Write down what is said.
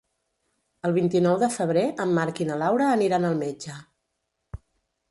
El vint-i-nou de febrer en Marc i na Laura aniran al metge.